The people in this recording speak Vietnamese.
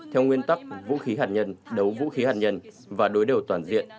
theo nguyên tắc vũ khí hạt nhân đấu vũ khí hạt nhân và đối đầu toàn diện